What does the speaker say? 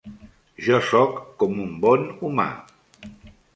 Jo sóc com un bon humà.